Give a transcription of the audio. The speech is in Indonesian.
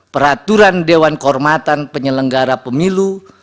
peraturan dewan kehormatan penyelenggara pemilu